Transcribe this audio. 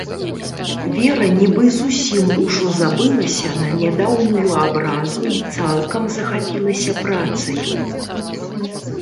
Вера нібы зусім ужо забылася на нядаўнюю абразу і цалкам захапілася працаю.